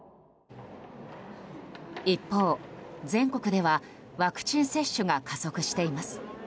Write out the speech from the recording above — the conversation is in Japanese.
一方、全国ではワクチン接種が加速しています。